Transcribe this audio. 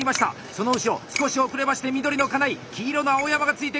その後ろ少し遅れまして緑の金井黄色の青山がついてくる。